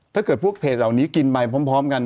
ถ้าเกิดพวกเพจเหล่านี้กินไปพร้อมกัน